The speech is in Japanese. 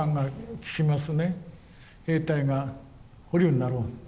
兵隊が捕虜になろう。